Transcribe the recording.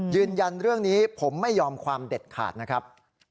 ยืนยันเรื่องนี้ผมไม่ยอมความเด็ดขาดนะครับ